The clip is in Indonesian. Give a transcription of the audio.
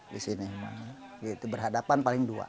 di sini gitu berhadapan paling dua